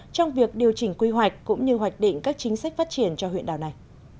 trong việc điều chỉnh quy hoạch cũng như hoạch định các chính sách phát triển cho huyện đảo này